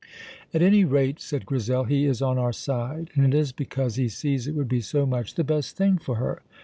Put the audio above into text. "At any rate," said Grizel, "he is on our side, and it is because he sees it would be so much the best thing for her."